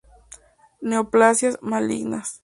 Neoplasias malignas.